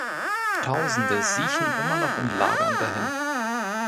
Tausende siechen immer noch in Lagern dahin.